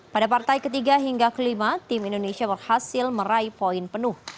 pada partai ketiga hingga kelima tim indonesia berhasil meraih poin penuh